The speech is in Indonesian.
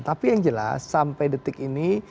tapi yang jelas sampai detik ini